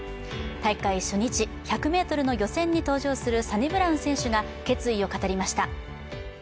大会初日、１００ｍの予選に登場するサニブラウン選手が決意を語りました。